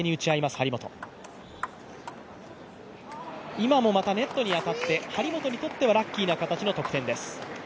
今もまたネットに当たって張本にとってはラッキーな形の得点です。